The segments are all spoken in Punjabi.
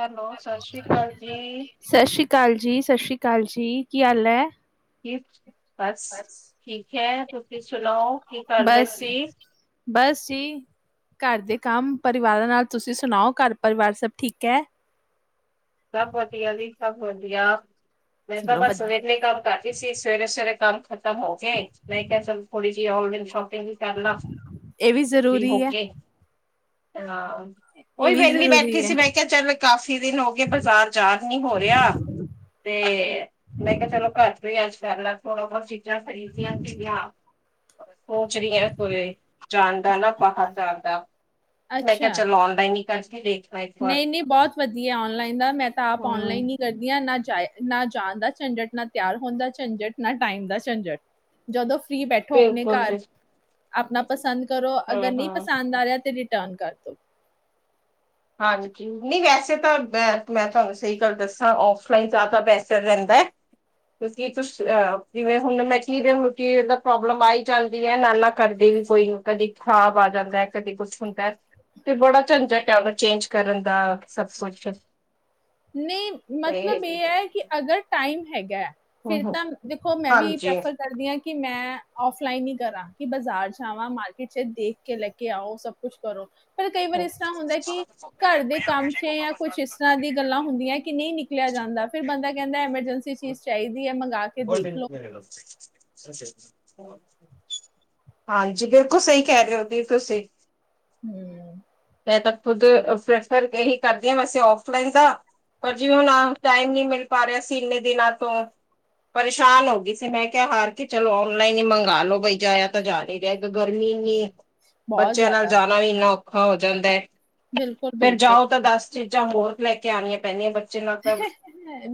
ਹੈਲੋ, ਸ੍ਰੀ ਸਤਿ ਅਕਾਲ ਜੀ, ਸ੍ਰੀ ਅਕਾਲ ਜੀ ਸਤਿ ਸ਼੍ਰੀ ਅਕਾਲ ਕਾਲ ਜੀ ਕੀ ਹਾਲ ਹੈ ਕਿ ਬਸ ਠੀਕ ਹੈ ਤੁਸੀਸੀਂ ਸੁਣਾਓ ਕੀ ਕਰ ਰਹੇ ਬਸ, ਸੀ ਬਸ ਜੀ ਘਰ ਦੇ ਕੰਮ ਪਰਿਵਾਰਾਂ ਨਾਲ ਤੁਸੀਂ ਸੁਣਾਓ ਘਰ ਪਰਿਵਾਰ ਸਭ ਠੀਕ ਹੈ ਸਭ ਵਧੀਆ ਜੀ ਸਭ ਵਧੀਆ ਮੇਰੇ ਚਲੋ ਪ ਸਵੇਰ ਲਈ ਕੰਮ ਕਰ ਸੀ ਸਵੇਰੇ ਸਵੇਰੇ ਕੰਮ ਖਤਮ ਹੋ ਨਹੀਂ ੋੜ ਆਨਲਾਈਨ ਸ਼ੋਪਿੰਗ ਵਿੱਚ ਕਰਲਾ ਇਹ ਵੀ ਜ਼ਰੂਰੀ ਹੈ, ਹੋਕੇ ਹ ਇਹ ਉਹੀ ਵੀ ਵਿਹਲੀ ਜ਼ਰੂਰੀ ਬੈਠੀ ਹੈ, ਸੀ ਮੈਂ ਕਿਹਾ ਚੱਲ ਕਾਫ਼ੀ ਦਿਨ ਹੋ ਗਏ ਬ ਾਰ ਯਾਦ ਨੀ ਹੋ ਰਿਹਾ ਤੇ ਮੈਂ ਕਿਹਾ ਚਲੋ ਘਰ ਤੋਂ ਈ ਅੱਜ ਥੋੜਾ ਬਹੁਤ ਚੀਜਾਂ ਖਰੀਦੀਆ ਸਿਗੀਆ ਉਹ ਸੜਆਂ ਕੋਈ ਜਾਂਦਾ ਨਾ ਬਾਹਰ ਜਾਂਣ ਦਾ ਮੈਂ ਕਿਹਾ ਅੱਛਾ। ਚਲੋ ਔਨਲਾਈਨ ਹੀ ਕਰਕੇ ਦੇਖ ਨਹੀਂ ਨਹੀਂ ਬਹੁਤ ਵਧੀਆ ਔਨਲਾਈਨ ਮੈਂ ਤਾਂ ਆਪ ਹੂੰ ਔਨਲਾਈਨ ਹੀ ਕਰਦੀ ਹਾਂ ਨਾ ਨਾ ਜਾਣ ਦਾ ਝੰਜਟ ਨਾ ਤਿਆਰ ਹੋਣ ਦਾ ਝੰਜਟ ਨਾ ਟਾਈਮ ਦਾ ਝੰਜਟ ਜਦੋਂ ਫ੍ਰੀ ਬੈਠੋ ਆਪਣੇ ਬਿਲਕੁਲ ਜੀ। ਘਰ ਆਪਣਾ ਪਸੰਦ ਕਰੋ ਅਗਰ ਨਹੀਂ ਹੂੰ-ਹੂੰ ਪਸੰਦ ਆ ਰਿਹਾ ਤੇ ਟਨ ਕਰ ਤੋਂ ਹਾਂਜੀ ਨਹੀਂ ਵੈਸੇ ਤਾਂ ਮੈਂ ਤੁਹਾਨੂੰ ਸਹੀ ਗੱਲ ਦੱਸਾਂ ਔਫ ਲਾਈਨ ਜ਼ਿਆਦਾ ਬੈਸਟ ਰਹਿੰਦਾ ਹੈ ਕਿਉਂਕਿ ਤੁ ਜਿਵੇਂ ਹੁਣ ਮੈਂ ਚ ਰ ਹੋ ਕਿ ਇਹਦਾ ਪ੍ਰੋਬਲਮ ਆ ਹੀ ਜਾਂਦੀ ਹੈ ਨਾ ਨਾ ਕਰਦੇ ਵੀ ਕੋਈ ਕਦੇ ਖ਼ਰਾਬ ਆ ਜਾਂਦਾ ਕਦੇ ਕੁਛ ਹੁੰਦਾ ਤੇ ਬੜਾ ਝੰਜਾਕ ਹੈ ਉਹਦਾ ਚੇਂਜ ਕਰਨ ਦਾ ਸਭ ਕੁਛ ਨਹੀਂ ਤੇ ਮਤਲਬ ਇਹ ਹੈ ਕਿ ਅਗਰ ਟਾਈਮ ਹੈਗਾ ਹੈ ਫਿਰ ਹੂੰ-ਹੂੰ ਤਾਂ ਦੇਖੋ ਮੈਂ ਵੀ ਹਾਂਜੀ। ਪ੍ਰੈਫਰ ਕਰਦੀ ਹਾਂ ਕਿ ਮੈਂ ਮੈਂਆਫ਼ ਲਾਈਨ ਹੀ ਕਰਾਂ ਕਿ ਬਾਜ਼ਾਰ ਚ ਆਵਾਂ ਮਾਰਕੀਟ ਚ ਦੇਖ ਕੇ ਲੈ ਕੇ ਆਓ ਸਭ ਕੁਛ ਕਰੋ ਪਰ ਕਈ ਵਾਰੀ ਇਸ ਤਰ੍ਹਾਂ ਹੁੰਦਾ ਕਿ ਘਰ ਦੇ ਕੰਮ ਚ ਜਾਂ ਕੁਛ ਇਸ ਤਰ੍ਹਾਂ ਦੀ ਗੱਲਾਂ ਹੁੰਦੀਆਂ ਕਿ ਨਹੀਂ ਨਿਕਲਿਆ ਜਾਂਦਾ ਫਿਰ ਬੰਦਾ ਕਹਿੰਦਾ ਐਮਰਜੈਂਸੀ ਚੀਜ਼ ਚਾਹੀਦੀ ਹੈ ਮੰਗਵਾ ਕੇ ਦੇਖ ਲਓ ਹਾਂਜੀ ਬਿਲਕੁਲ ਸਹੀ ਕਹਿ ਰਹੇ ਹੋ ਵੀ ਤੁਸੀਂ ਹਮ ਮੈਂ ਤਾਂ ਖੁਦ ਪ੍ਰੈਫਰ ਕਰਦੀ ਹਾਂ ਵੈਸੇ ਫਲਾਈਨ ਦਾ ਪਰ ਜੀ ਹੁਣ ਟਾਈਮ ਨ ਮਿਲ ਪਾ ਰਿਹਾ ਸੀ ਇੰਨੇ ਦਿਨਾਂ ਤੋਂ ਪਰੇਸ਼ਾਨ ਹੋ ਗਈ ਸੀ ਮੈਂ ਕਿਹਾ ਹਾਰ ਕੇ ਚਲੋ ਓਨਲਾਈਨ ਹੀ ਮੰਗ ਲੋੋ ਬਈ ਜਾਆ ਤਾਂ ਜਾ ਹੀ ਰਹਿ ਗਰਮੀ ਇੰਨੀ ਬਹੁਤ ਬੱਚਿਆਂ ਨਾਲ ਜ਼ਿਆਦਾ ਜਾਣਾ ਵੀ ਇੰਨਾ ਹ ਜਾਂਦਾ ਹੈ ਬਿਲਕੁਲ ਫੇਰ ਬਿਲਕੁਲ ਜਾਓ ਤਾਂ ਦਸ ਚੀਜ਼ਾਂ ਹੋਰ ਲੈ ਕੇ ਆਉਣੀਆਂ ਪੈਂਦੀਆਂ ਬ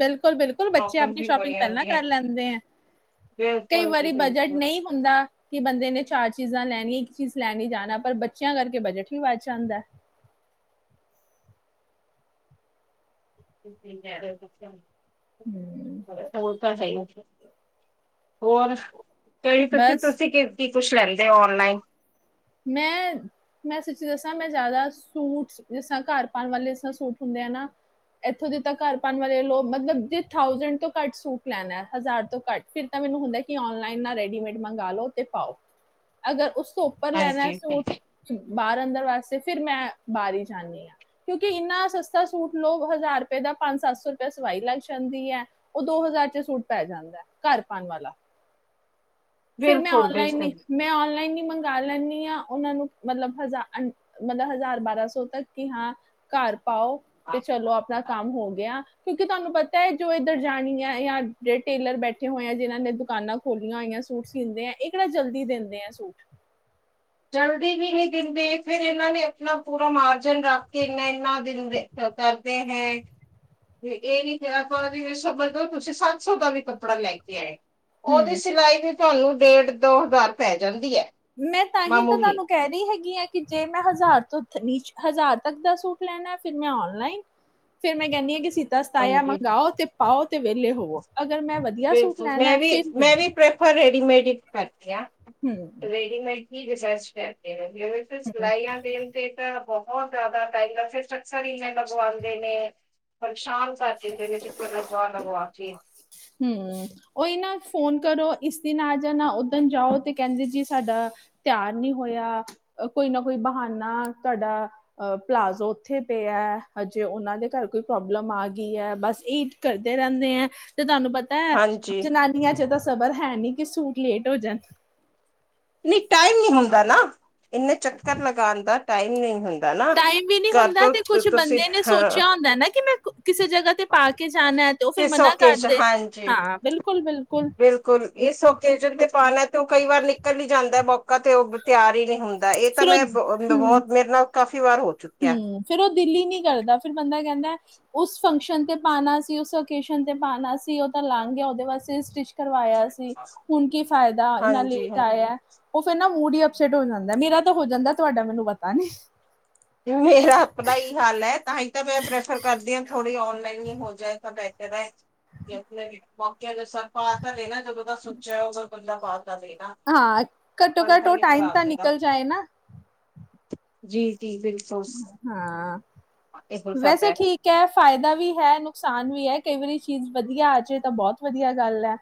ਬਿਲਕੁਲ ਬਿਲਕੁਲ ਬੱਚੇ ਪ੍ਰੋਬਲਮ ਆਪਣੀ ਵੀ ਸ਼ੋਪਿੰਗ ਬੜੀਆਂ ਪਹਿਲਾਂ ਹੁੰਦੀਆਂ ਕਰ ਲੈਂਦੇ ਹੈ ਕਈ ਵਾਰੀ ਬਜਟ ਨਹੀਂ ਹੁੰਦਾ ਕਿ ਬੰਦੇ ਨੇ ਚਾਰਜ ਚੀਜ਼ਾਂ ਲੈਣ ਇੱਕ ਚੀਜ਼ ਲੈਣੀ ਜਾਣਾ ਪਰ ਬੱਚਿਆਂ ਕਰਕੇ ਬਜਟ ਹੀ ਵਧ ਜਾਂ ਆਦਾ ਹਮ ਉਹ ਤਾਂ ਸਹੀ ਹੋਰ ਕ ਪਸੇ ਬਸ ਤੁਸੀ ਕਿ ਕੁਛ ਲੈਂਦੇ ਹੋ ਔਨਲਾਈਨ ਮੈਂ ਮੈਂ ਸਚੀ ਦੱਸਾਂ ਮੈਂ ਜਿਆਦਾ ਸੂਟ ਜਿਸ ਤ ਘਰ ਪਾਉਣ ਵਾਲੇ ਜ ਤ ਸੂਟ ਹੁੰਦੇ ਆ ਨਾ ਇਥੋਂ ਜ ਘਰ ਪਾਉਣ ਵਾਲੇ ਮਤਲਬਥ ਤੋਂ ਘੱਟ ਸੂਟ ਲੈਣਾ ਹਜ਼ਾਰ ਤੋਂ ਘੱਟ ਫ ਮੈਨੂੰ ਹੁੰਦਾ ਨ ਰੈਡੀਮੇਡ ਮੰਗ ਲੋ ਪਾਓ ਅਗਰ ਉੱਪਰ ਲੈਣਾ ਹਾਂਜੀ ਸੂਟ ਬਾਹਰ ਅੰਦਰ ਵਾਸਤੇ ਫਿਰ ਮੈਂ ਬਾਹਰ ਹੀ ਜਾਂਦੀ ਹਾਂ ਕਿਉਂਕਿ ਇੰਨਾ ਸਸਤਾ ਸੂਟ ਲੋਓ ਹਜ਼ਾਰ ਰੁਪਏ ਦਾ ਪੰਜ ਸੱਤ ਸੌ ਰੁਪਏ ਸਵਾਈ ਲੱਗ ਜਾਂਦੀ ਹੈ ਉਹ ਦੋ ਹਜ਼ਾਰ ਚ ਸੂਟ ਪੈ ਜਾਂਦਾ ਘਰ ਪਾਉਣ ਵਾਲਾ ਫੇਿਰ ਮੈਂ ਬਿਲਕੁਲ ਔਨਲਾਈਨ ਬਿਲਕੁਲ ਹੀ ਮੈਂ ਔਨਲਾਈਨ ਹੀ ਮੰਗਵਾ ਲੈਂਦੀ ਹਾਂ ਉਹਨਾਂ ਨੂੰ ਮਤਲਬ ਹਜ਼ ਮਤਲਬ ਹਜ਼ਾਰ ਬਾਰਾਂ ਸੌ ਤੱਕ ਕਿ ਹਾਂ ਕਾਰ ਪਾਓ ਤੇ ਚਲੋ ਆਪਣਾ ਕੰਮ ਹੋ ਗਿਆ ਕਿਉਂਕਿ ਤੁਹਾਨੂੰ ਪਤਾ ਹੈ ਜੋ ਇੱਧਰ ਜਾਣੀ ਹੈ ਜਾਂ ਜਿਹੜੇ ਟੇਲਰ ਬੈਠੇ ਹੋਏ ਆ ਜਿਹਨਾਂ ਨੇ ਦੁਕਾਨਾਂ ਖੋਲੀਆਂ ਹੋਈਆ ਸੂਟ ਸੀਂਦੇ ਆ ਇਹ ਕਿਹੜਾ ਜਲਦੀ ਦਿੰਦੇ ਆ ਸੂਟ ਜਲਦੀ ਵੀ ਨਹੀਂੀ ਦਿੰਦੇ ਫੇਿਰ ਇਹਨਾਂ ਨੇ ਆਪਣਾ ਪੂਰਾ ਮਾਰਜਨ ਰੱਖ ਕੇ ਇਨਾ ਦਿਿਲ ਸਰਕਾਰ ਤੇ ਹੈ ਇਹ ਨੀ ਆਪਾਂ ਸ ਬਦੋ ਤੁਸੀਂ ਸੱਤ ਸੌ ਦਾ ਵੀ ਕੱਪੜਾ ਲੈ ਕੇ ਆਏ ਉਹਦੀ ਹੂੰ ਸਿਲਾਈ ਵੀ ਤੁਹਾਨੂੰ ਡੇਟ ਦੋ ਹਜ਼ਾਰ ਪੈ ਜਾਂਦੀ ਹੈ ਮੈਂ ਤਾਂ ਹੀ ਤਾਂ ਮਾਮੂਲੀ ਤੁਹਾਨੂੰ ਕਹਿ ਰਹੀ ਹੈਗੀ ਹੈ ਕਿ ਜੇ ਮੈਂ ਹਜ਼ਾਰ ਤੋਂ ਨੀ ਹਜ਼ਾਰ ਤੱਕ ਦਾ ਸੂਟ ਲੈਣਾ ਫਿਰ ਮੈਂ ਨਲਾਈਨ ਫੇਿਰ ਮੈਂ ਕਹਿੰਦੀ ਹਾਂ ਕਿ ਤਸ ਤਾਇਾ ਮੈਂ ਹਾਂਜੀ ਗਾਓ ਤੇ ਪਾਓਤ ਤੇ ਵਿਹਲੇ ਹੋਵੋ ਅਗਰ ਮੈਂ ਵਧੀਆ ਸੂਟ ਬਿਲਕੁਲ ਲੈਣਾ ਮੈਂ ਹੈ, ਵੀ ਫਿਰ ਮੈਂ ਵੀ ਪ੍ਰੈਫਰ ਰੈਡੀਮੇਡ ਠ ਕਰ ਹੂੰ ਰੇਡੀਮੇਡ ਕੀਠੀ ਵੀ ਸਰਚ ਕਰ ਜਿਵੇਂ ਤੇ ਹੂੰ ਸਿਲਾਈਆਂ ਦੇਲ ਤੇ ਤਾਂ ਬਹੁਤ ਜ਼ਿਆਦਾ ਟਾਈਮ ਦਾ ਫਿਰ ਅਕਸਰ ਇਵੇਂ ਲਗਵਾਉਂਦੇ ਨੇ ਸ਼ਾਨ ਸ ਚੀਜ਼ ਹੈ ਜ ਲਜਵਾ ਲਗਵਾ ਚੀਜ਼ ਹਮ ਓਹੀ ਨਾ ਫੋਨ ਕਰੋ ਇਸ ਦਿਨ ਆ ਜਾ ਨਾ ਉਓਦਣ ਜਾਓ ਤੇ ਕਹਿੰਦੇ ਜੀ ਸਾਡਾ ਤਿਆਰ ਨੀ ਹੋਇਆ ਕੋਈ ਨਾ ਕੋਈ ਬਹਾਨਾ ਤੁਹਾਡਾ ਪਲਾਜ਼ੋ ਉੱਥੇ ਪਿਆ ਹਜੇ ਉਹਨਾਂ ਦੇ ਘਰ ਕੋਈ ਪ੍ਰੋਬਲਮ ਆਈ ਗੀ ਹੈ ਬਸ ਇ ਕਰਦੇ ਰਹਿੰਦੇ ਹੈ ਤੇ ਤੁਹਾਨੂੰ ਪਤਾ ਪ ਹਾਂਜੀ ਜ ਨਾਨੀਆਂ ਚ ਤਾਂ ਖਬਰ ਹੈ ਨੀ ਕਿ ਸੂਟ ਲੇਟ ਹੋਜਣ ਨਹੀਂ ਟਾਈਮ ਨ ਹੁੰਦਾ ਨਾ ਇੰਨੇ ਚੱਕਰ ਲਗਾਉਣਦਾ ਟਾਈਮ ਨਹੀਂ ਹੋਈ ਟਾਈਮ ਵੀ ਨਹੀਂੀ ਹੁੰਦਾ ਤੇ ਕੁਛ ਬੰਦੇ ਨੇ ਹਾਂ ਸੋਚਿਆ ਹੁੰਦਾ ਨਾ ਕਿ ਮੈਂ ਕਿਸੇ ਜਗ੍ਹਾ ਤੇ ਪਾ ਕੇ ਜਾਣਾ ਤੇ ਉਹ ਫਿਰ ਕਿਸ ਮਨਾ ਓਕੇਜ ਕਰਦੇ ਹਾਂਜੀ। ਹਾਂ ਬਿਲਕੁਲ ਬਿਲਕੁਲ ਬਿਲਕੁਲ ਇਸ ਓਕੇਜਨ ਤੇ ਪਾਉਣਾ ਤੇ ਉਹ ਕਈ ਵਾਰ ਨਿਕਲ ਹੀ ਜਾਂਦਾ ਮੌਕਾ ਤੇ ਉਹ ਤਿਆਰ ਹੀ ਨਹੀਂ ਹੁੰਦਾ ਇਹ ਤਾਂ ਫਿਰ ਮੈਂ ਬਹੁਤ ਮੇਰੇ ਨਾਲ ਕਾਫ਼ੀ ਵਾਰ ਹੋ ਚੁੱਕਿਆ। ਹਮ ਫੇਿਰ ਉਹ ਦਿੱਲੀ ਨੀ ਕਰਦਾ ਫੇਿਰ ਬੰਦਾ ਕਹਿੰ ਉਸ ਫੰਕਸ਼ਨ ਤੇ ਪਾਉਣਾ ਸੀ ਉਸ ਓਕੇਜਨ ਤੇ ਪਾਉਣਾ ਸੀ ਉਹ ਤਾਂ ਲਾਂਗ ਗਿਆ ਉਹਦੇ ਵਾਸਤੇ ਸਟਿਚ ਕਰਵਾਇਆ ਸੀ ਹੁਣ ਕੀ ਫਾਇਦਾ ਇੰਨਾ ਹਾਂਜੀ ਲੇਟ ਹਾਂਜੀ ਆਇਆ ਉਹ ਫੇਿਰ ਨਾ ਮੂਡ ਹੀ ਅਪਸੈਟ ਹੋ ਜਾਂਦਾ ਮੇਰਾ ਤਾਂ ਹੋ ਜਾਂਦਾ ਤੁਹਾਡਾ ਮੈਨੂੰ ਪਤਾ ਨੀ ਮੇਰਾ ਆਪਣਾ ਹੀ ਹਾਲ ਹੈ ਤਾਂ ਤਾਂ ਮੈਂ ਪ੍ਰੈਫਰ ਕਰਦੀ ਹਾਂ ੋੜੀ ਔਨਲਾਈਨ ਹੀ ਹੋ ਜਾਏ ਤਾਂ ਬੇਹਤਰ ਹੈ ਮੌਕ ਜੋ ਸਭ ਆਤਾ ਲੈ ਨਾ ਜ ਬ ਸੋਚਿਆ ਹੋਗਾ ਬਦਾ ਬਾ ਹਾਂ ਘੱਟੋ ਘੱਟ ਉਹ ਟਾਈਮ ਖਰਾਬ ਤਾਂ ਦੇਗਾ ਨਿਕਲ ਜਾਏ ਨਾ ਜੀ ਜੀ ਬਿਲਕੁਲ ਹਾਂ ਇਹੋ ਸਭ ਵੈਸੇ ਠੀਕ ਹੈ ਫਾਇਦਾ ਵੀ ਹੈ ਨੁਕਸ ਨੁਕਸਾਨ ਵੀ ਹੈ ਕਈ ਵਾਰੀ ਚੀਜ਼ ਵਧੀਆ ਆ ਜਾੇ ਤਾਂ ਬਹੁਤ ਵਧੀਆ ਗੱਲ ਹੈ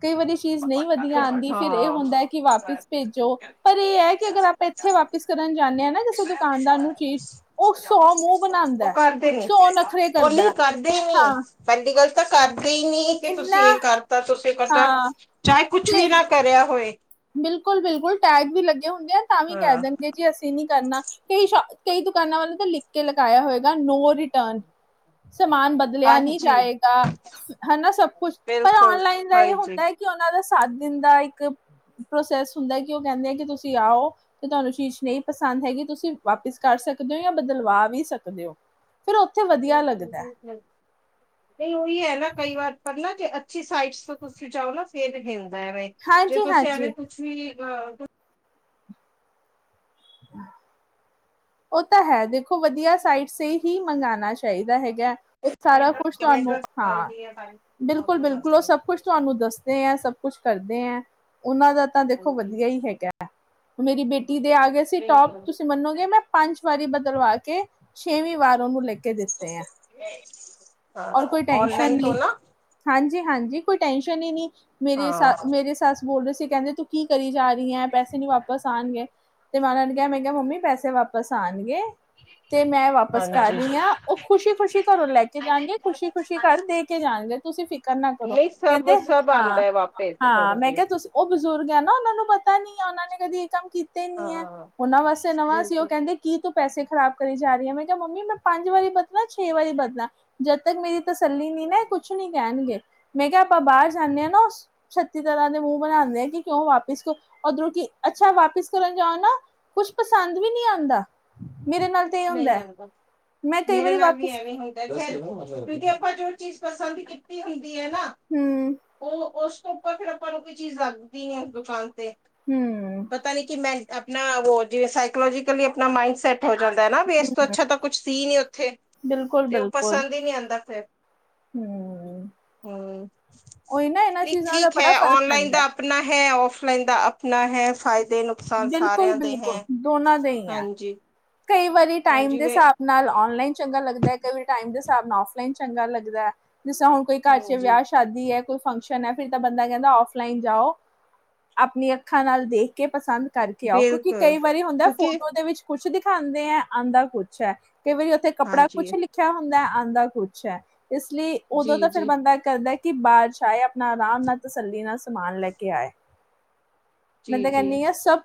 ਕਈ ਵਾਰੀ ਚੀਜ਼ ਨਹੀਂ ਵਧੀਆ ਆਉਂਦੀ ਫਿਰ ਇਹ ਹੁੰਦਾ ਹੈ ਕਿ ਵਾਪਿਸ ਭੇਜੋ ਪਰ ਇਹ ਹੈ ਕਿ ਅਗਰ ਆਪਾਂ ਇੱਥੇ ਹਾਂ ਵਾਪਿਸ ਕਰਨ ਜਾਂਦੇ ਹਨ ਨਾ ਕਿਸੇ ਦੁਕਾਨਦਾਰ ਨੂੰ ਚੀਜ਼ ਉਹ ਸੌ ਮੂੰਹ ਬਣਾਉਂਦਾ ਉਹ ਹੈ ਕਰਦੇ ਨੀ ਸੌ ਨਖਰੇ ਉਹ ਨਹੀਂ ਕਰਦਾ ਕਰਦੇ ਨੀ ਹਾਂ ਪਹਿ ਗੱਲ ਤਾਂ ਕਰ ਕਈ ਨਹੀਂੀ ਕਿ ਤੁਸੀਂ ਇੰਨਾ ਇਹ ਕਰਤਾ ਤੁਸੀਂ ਕਰਤਾ ਹਾਂ ਚਾਹੇ ਕੁਛ ਤੇ ਵੀ ਨਾ ਕਰਿਆ ਹੋਏ ਬਿਲਕੁਲ ਬਿਲਕੁਲ ਟੈਗ ਵੀ ਲੱਗ ਹੁੰਦੇ ਆ ਤਾਂ ਵੀ ਕਹਿ ਹਾਂ ਦੇਣਗੇ ਜੀ ਅਸੀਂ ਨੀ ਕਰਨਾ ਕਈ ਸ਼ ਕਈ ਦੁਕਾਨਾਂ ਵੱਲੋਂ ਤਾਂ ਲਿਖ ਕੇ ਲਗਾਇਆ ਹੋਏਆ ਨੋ ਰੇਤੁਰਨ ਸਮਾਨ ਬਦਲਿਆ ਨਹੀਂੀ ਹਾਂਜੀ ਜਾਏਗਾ ਹਨਾ ਸਭ ਕੁਛ ਪਰ ਬਿਲਕੁਲ ਨਲਾਈਨ ਦਾ ਇਹ ਹਾਂਜੀ ਹੁੰਦਾ ਕਿ ਉਹਨਾਂ ਦੇ ਸੱਤ ਦਿਨ ਦਾ ਇੱਕ ਪ੍ਰੋਸੈਸ ਹੁੰਦਾ ਕਿ ਉਹ ਕਹਿੰਦੇ ਆ ਕਿ ਤੁਸੀਂ ਆਓ ਤੇ ਤੁਹਾਨੂੰ ਚੀਜ਼ ਨਹੀਂ ਪਸੰਦ ਹੈਗੀ ਤੁਸੀ ਵਾਪਿਸ ਕਰ ਸਕਦੇ ਹੋ ਜਾਂ ਬਦਲਵਾ ਵੀ ਸਕਦੇ ਹੋ ਫਿਰ ਉੱਥੇ ਵਧੀਆ ਲੱਗਦਾ ਹੈ ਇਹ ਉਹੀ ਹੈ ਨਾ ਕਈ ਵਾਰ ਪਰ ਨਾ ਜੇ ਅੱਛੀ ਸਾਈਟਸ ਤੇ ਤੁਸੀ ਜਾਓ ਨਾ ਫੇਰ ਹੈ ਹੋ ਮੈਂ ਬ ਜੇ ਹਾਂਜੀ ਤੁਸੀਂ ਹਾਂਜੀ ਆਵੇ ਤੁਸੀਂ ਹਹ ਹਮ ਉਹ ਤਾਂ ਹੈ ਦੇਖੋ ਵਧੀਆ ਸਾਈਟ ਸੇ ਹੀ ਮੰਗਉਣਾ ਚਾਹੀਦਾ ਹੈਗਾ ਸਾਰਾ ਕੁਛ ਤੁਹਾਨੂੰ ਹਾਂ ਆਉਂਦੀ ਹੈ ਸਾਰੀ ਬਿਲਕੁਲ ਪ੍ਰੋਬਲਮ ਬਿਲਕੁਲ ਉਹ ਆਉਂਦੀ ਹੈ ਸਭ ਕੁਛ ਤੁਹਾਨੂੰ ਦੱਸਦੇ ਆ ਸਭ ਕੁਛ ਕਰਦੇ ਹੈ ਉਹਨਾਂ ਦਾ ਤਾਂ ਦੇਖੋ ਹਾਂਜੀ ਵਧੀਆ ਹੀ ਹੈਗਾ ਮੇਰੀ ਬੇਟ ਦੇ ਆ ਗਏ ਸੀ ਟੋਪ ਬਿਲਕੁਲ। ਤੁਸੀਂ ਮੰਨੋਗੇ ਮੈਂ ਪੰਜ ਵਾਰੀ ਬਦਲਵਾ ਕੇ ਛੇਵੀਂ ਵਾਰ ਉਹਨੂੰ ਲੈਕੇ ਦਿੱਤੇ ਆ ਹਾਂ ਔਰ ਕੋਈ ਟੈਸ਼ਨ ਔਨਲਾਈਨ ਤੋਂ ਨੀ ਨਾ ਹਾਂਜੀ ਹਾਂਜੀ ਕੋਈ ਟੈਸ਼ਨ ਹੀ ਨੀ ਮੇਰੇ ਹਾਂ ਮੇਰੇ ਸੱਸ ਬੋਲ ਰਹੇ ਸੀ ਕਹਿੰਦੇ ਤੂੰ ਕੀ ਕਰੀ ਜਾ ਵਈ ਏਦਾਂ ਪੈਸੇ ਨੀ ਵਾਪਸ ਆਉਣਗੇ ਤੇ ਮਾਰਾ ਮੈਂ ਕਿਹਾ ਮੰਮੀ ਪੈਸੇ ਵਾਪ ਪਸਾਾਨਗੇਏ ਤੇ ਮੈਂ ਵਾਪਿਸ ਕਰ ਹਾਂਜੀ ਰਹੀ ਹਾਂ ਉਹ ਖੁਸ਼ੀ ਖੁਸ਼ੀ ਘਰੋਂ ਲੈ ਕੇ ਜਾਣਗੇ ਖੁਸ਼ੀ ਖੁਸ਼ੀ ਘਰ ਦੇ ਕੇ ਜਾਣਗੇ ਤੁਸੀਂ ਫਿਕਰ ਨਾ ਕਰੋ ਨਹੀਂ ਸਭ ਕਹਿੰਦੇ ਸਭ ਹਾਂ ਆਉਂਦਾ ਹੈ ਵਾਪਿਸ ਹਾਂ ਮੈਂ ਹਾਂਜੀ ਕਿਹਾ ਤੁਸੀਂ ਉਹ ਬਜ਼ੁਰਗ ਆ ਨਾ ਉਹਨਾਂ ਨੂੰ ਪਤਾ ਨੀ ਕੰਮ ਕੀਤੇ ਹੀ ਨੀ ਹੈ ਹਾਂ ਉਹਨਾਂ ਵਾਸਤੇ ਨਵਾਂ ਸੀ ਉ ਬਿਲਕੁਲ ਨਾ ਕੀ ਤੂੰ ਪੈਸੇ ਖਰਾਬ ਕਰੀ ਜਾ ਰਹੀ ਹੈ ਮੈਂ ਕਿਹਾ ਮੰਮੀ ਮੈਂ ਪੰਜ ਵਾਰੀ ਬਦਲਾ ਛੇ ਵਾਰੀ ਬਦਲਾ ਜਦ ਤੱਕ ਮੇਰੀ ਤਸੱਲੀ ਨੀ ਨਾ ਇਹ ਕੁਛ ਨੀ ਕਹਿਣਗੇ ਮੈਂ ਕਿਹਾ ਆਪਾਂ ਬਾਹਰ ਜਾਂਨੇਂ ਹਾਂ ਨਾ ਛੱਤੀ ਤਰ੍ਹਾਂ ਦੇ ਮੂੰਹ ਬਣਾਉਂਦੇ ਆ ਕਿ ਕਿਉਂ ਵਾਪਿਸ ਕਰ ਉਓਧਰੋਂ ਕਿ ਅੱਛਾ ਵਾਪਿਸ ਕਰਨ ਜਾਓ ਨਾ ਕੁਛ ਪਸੰਦ ਵੀ ਨੀ ਆ ਹੁੰਦਾ ਨਹੀਂ ਹੈ। ਆਂਦਾ ਮੈਂ ਕਈ ਮੇਰੇ ਵਾਰੀ ਨਾਲ ਵੀ ਵਾਪਿਸ ਐਵੇਂ ਹੁੰਦਾ ਕਿਉਂਕਿ ਆਪਾਂ ਜੋ ਚੀਜ਼ ਪਸੰਦ ਕੀਤੀ ਹੋਈ ਹੈ ਨਾ ਹੂੰ ਉਹ ਉਸ ਪਾਂ ਫੇਰ ਆਪਾਂ ਨੂੰ ਕੋਈ ਚੀਜ਼ ਲੱਗਦੀ ਆ ਦੁਕਾਨ ਤੇ ਹੂੰ ਪਤਾ ਨੀ ਕਿ ਮੈਂ ਆਪਣਾ ਜਿਵੇਂ ਸਾਈਕੋਲੋਜਕਲੀ ਆਪਣਾ ਮਾਈਡ ਸੈਟ ਹੋ ਜਾਂਦਾ ਨਾ ਵੀ ਇਸ ਤੋਂ ਹੂੰ, ਅੱਛਾ ਤਾਂ ਕੁਛ ਸੀ ਨੀ ਉੱਥੇ ਬਿਲਕੁਲ ਤੇ ਉਹ ਬਿਲਕੁਲ ਪਸੰਦ ਹੀ ਨਹੀਂੀ ਆਉਂਦਾ ਫਿਰ ਹੂੰ ਹਮ ਉਹੀ ਨਾ ਇਹਨਾਂ ਨਹੀਂ ਚੀਜ਼ਾਂ ਦਾ ਠੀਕ ਬੜਾ ਹੈ ਫਰਕ ਔਨਲਾਈਨ ਪੈਂਦਾ ਹੈ। ਦਾ ਆਪਣਾ ਹੈ ਫਲਾਈਨ ਦਾ ਆਪਣਾ ਹੈ ਫਾਇਦਾ ਬਿਲਕੁਲ ਬਿਲਕੁਲ ਦੋਨਾਂ ਦੇ ਹੀ ਹੈ ਹਾਂਜੀ ਕਈ ਵਾਰੀ ਟਾਈਮ ਹਾਂਜੀ ਦੇ ਵੇ ਹਿਸਾਬ ਨਾਲ ਨਲਾਈਨ ਚੰਗਾ ਲੱਗਦਾ ਕ ਟਾਈਮ ਦੇ ਹਿਸਾਬ ਨਾਲ ਫਲਾਈਨ ਚੰਗਾ ਲੱਗਦਾ ਹੈ ਜਿਸ ਤਾਂ ਹੁਣ ਕੋਈ ਘਰ ਚ ਹਾਂਜੀ ਵਿਆਹ ਸ਼ਾਦੀ ਹੈ ਕੋ ਫੰਕਸ਼ਨ ਹੈ ਫਿਰ ਤਾਂ ਬੰਦਾ ਕਹਿੰਦਾ ਫਲਾਈਨ ਜਾਓ ਆਪਣੀ ਅੱਖਾਂ ਨਾਲ ਦੇਖ ਕੇ ਪਸੰਦ ਕਰਕੇ ਆਓ ਕਿਉਂਕਿ ਬਿਲਕੁਲ ਕਈ ਵਾਰੀ ਹੁੰਦਾ ਕਿਉਂਕਿ ਫੋਟੋ ਦੇ ਵਿੱਚ ਖੁਸ਼ ਦੀ ਆਉਂਦੇ ਹੈ ਆਉਂਦਾ ਕੁਛ ਹੈ ਕਈ ਵਾਰੀ ਉੱਥੇ ਕੱੜਾ ਹਾਂਜੀ ਕੁਛ ਲਿਖਿਆ ਹੁੰਦਾ ਆਉਂਦਾ ਕੁਛ ਹੈ ਇਸ ਲਈ ਜੀ ਉਦੋਂ ਤਾਂ ਫੇਿਰ ਜੀ ਬੰਦਾ ਕਰਦਾ ਬਾਅਦਸ਼ਾਏ ਆਪ ਨਾ ਰਾਾਮਨਾਥ ਸੱਲਨਾ ਸਮਾਨ ਲੈ ਕੇ ਆਏ ਮੈਂ ਜੀ ਤਾਂ ਜੀ ਕਹਿੰਦੀ ਹ ਸਭ